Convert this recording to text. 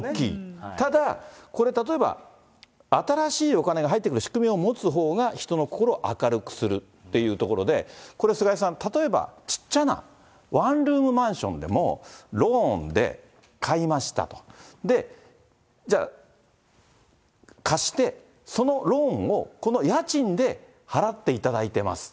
ただこれ、新しいお金が入ってくる仕組みを持つほうが、人の心を明るくするというところで、これ、菅井さん、例えば、ちっちゃなワンルームマンションでも、ローンで買いましたと、じゃあ貸して、そのローンをこの家賃で払っていただいてます。